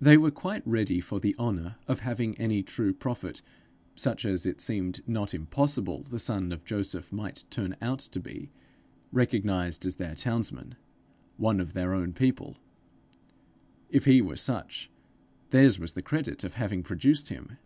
They were quite ready for the honour of having any true prophet, such as it seemed not impossible the son of Joseph might turn out to be, recognized as their towns man, one of their own people: if he were such, theirs was the credit of having produced him!